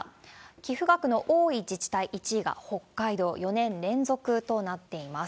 寄付額の多い自治体１位が北海道、４年連続となっています。